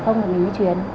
không là mình có truyền